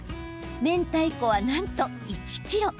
めんたいこは、なんと１ｋｇ。